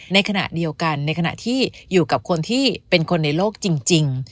ในขณะเดียวกันในขณะที่อยู่กับคนที่เป็นคนในโลกจริง